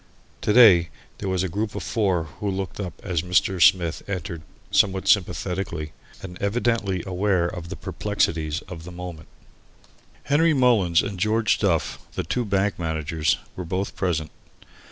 To day there was a group of four who looked up as Mr. Smith entered, somewhat sympathetically, and evidently aware of the perplexities of the moment. Henry Mullins and George Duff, the two bank managers, were both present.